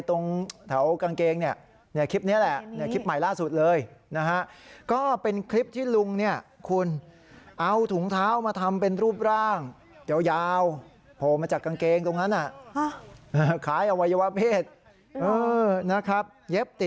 ลุงทำอะไรกันแน่มาอีกรูปแบบนึงแล้วเหรอ